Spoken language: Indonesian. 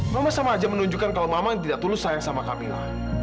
mama sama aja menunjukkan kalau mama yang tidak tulus sayang sama kami lah